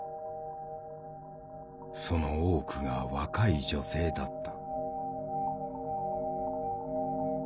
その多くが若い女性だった。